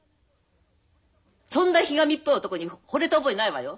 そんなひがみっぽい男にほれた覚えないわよ。